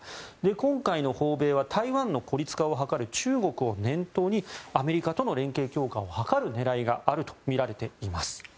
今回の訪米は台湾の孤立化を図る中国を念頭にアメリカとの連携強化を図る狙いがあるとみられています。